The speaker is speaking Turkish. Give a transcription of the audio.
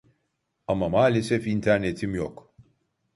Ama malesef internetim yok